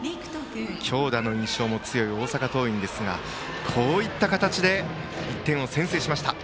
強打の印象も強い大阪桐蔭ですがこういった形で１点を先制しました。